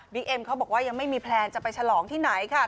เอ็มเขาบอกว่ายังไม่มีแพลนจะไปฉลองที่ไหนค่ะ